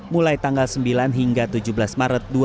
mulai tanggal sembilan hingga tujuh belas maret dua ribu dua puluh